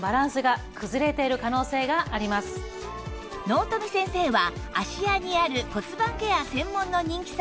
納富先生は芦屋にある骨盤ケア専門の人気サロン